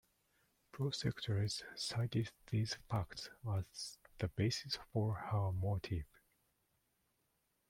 Prosecutors cited these facts as the basis for her motive.